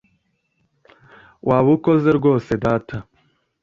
Waba ukoze rwose data ”